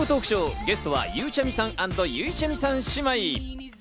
ゲストは、ゆうちゃみさん＆ゆいちゃみさん姉妹。